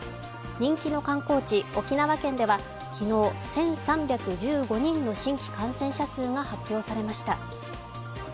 人気の観光地・沖縄県では昨日１３１５人の新規感染者数が発表されました。